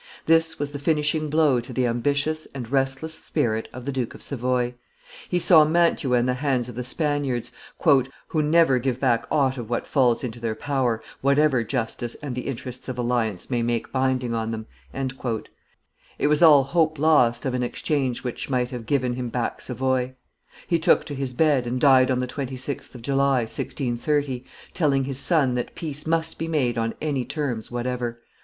This was the finishing blow to the ambitious and restless spirit of the Duke of Savoy. He saw Mantua in the hands of the Spaniards, "who never give back aught of what falls into their power, whatever justice and the interests of alliance may make binding on them;" it was all hope lost of an exchange which might have given him back Savoy; he took to his bed and died on the 26th of July, 1630, telling his son that peace must be made on any terms whatever.